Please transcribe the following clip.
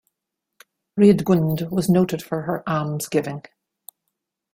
Radegund was noted for her almsgiving.